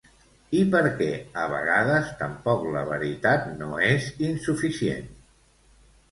I perquè a vegades tampoc la veritat no és insuficient.